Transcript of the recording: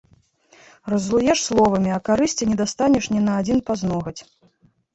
Раззлуеш словамі, а карысці не дастанеш ні на адзін пазногаць.